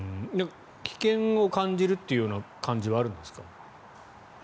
危険を感じるという感じはあるんですか？